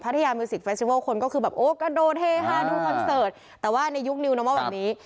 ทยามิวสิกเฟสติวัลคนก็คือแบบโอ้กระโดดเฮฮาดูคอนเสิร์ตแต่ว่าในยุคนิวโนมอลแบบนี้